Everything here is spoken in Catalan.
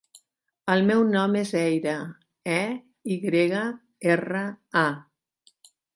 El meu nom és Eyra: e, i grega, erra, a.